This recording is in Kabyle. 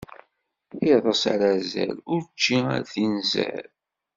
Iḍes ar azal, učči ar tinzar!